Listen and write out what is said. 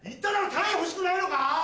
単位欲しくないのか？